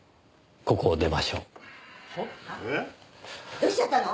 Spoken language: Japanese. どうしちゃったの？